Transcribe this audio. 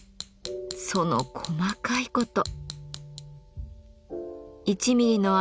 その細かいこと！